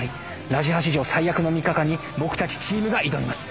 ラジハ史上最悪の３日間に僕たちチームが挑みます。